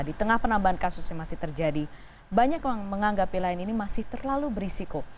di tengah penambahan kasus yang masih terjadi banyak yang menganggapi lain ini masih terlalu berisiko